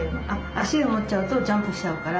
足を持っちゃうとジャンプしちゃうからお尻ですね。